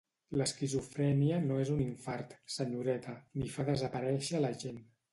L'esquizofrènia no és un infart, senyoreta, ni fa desaparèixer la gent.